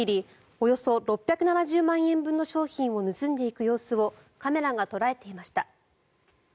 およそ６７０万円分の商品を盗んでいく様子をカメラが捉えていました。